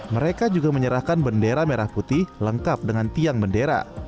mereka juga menyerahkan bendera merah putih lengkap dengan tiang bendera